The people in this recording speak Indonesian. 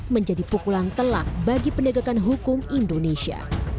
menjadi pukulan telang bagi pendagangan hukum indonesia